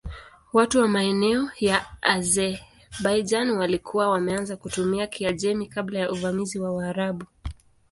Watu wa maeneo ya Azerbaijan walikuwa wameanza kutumia Kiajemi kabla ya uvamizi wa Waarabu.